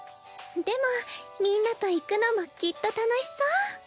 でもみんなと行くのもきっと楽しそう。